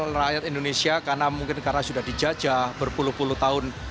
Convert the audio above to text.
karena mental rakyat indonesia karena mungkin karena sudah dijajah berpuluh puluh tahun